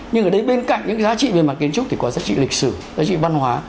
nhưng ở đây bên cạnh những cái giá trị về mặt kiến trúc thì có giá trị lịch sử giá trị văn hóa